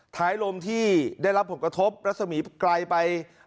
ท้ายลมที่ได้รับผลกระทบรัศมีร์ไกลไป